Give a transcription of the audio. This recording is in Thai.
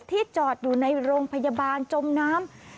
ที่จอดอยู่ในโรงพยาบาลจมน้ำ